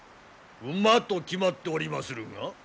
馬と決まっておりまするが？